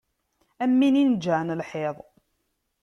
Am win ineǧǧɛen lḥiḍ.